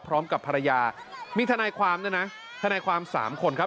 พร้อมกับภรรยามีทนายความด้วยนะทนายความสามคนครับ